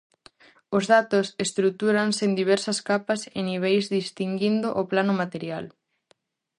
Os datos estrutúranse en diversas capas e niveis distinguindo o plano material.